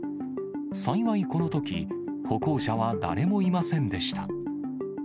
幸い、このとき歩行者は誰もいませんでした。